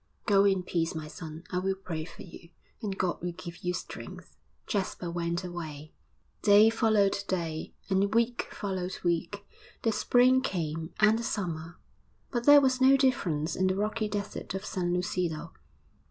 'Go in peace, my son; I will pray for you, and God will give you strength!' Jasper went away. Day followed day, and week followed week; the spring came, and the summer; but there was no difference in the rocky desert of San Lucido.